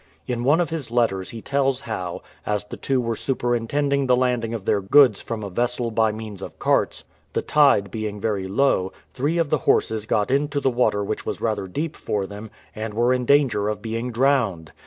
In one of his letters he tells how, as the two were super intending the landing of their goods from a vessel by means of carts, the tide being very low, three of the horses got into water which was rather deep for them, and were in danger of being drowned.